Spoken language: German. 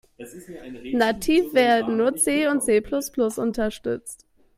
Nativ werden nur C und C-plus-plus unterstützt.